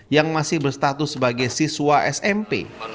yang masih berstatus sebagai siswa smp